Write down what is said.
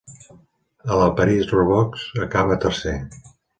A la París-Roubaix acaba tercer.